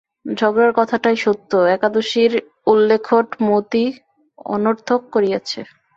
ঝগড়ার কথাটাই সত্য, একাদশীর উল্লেখট মতি অনর্থক করিয়াছে।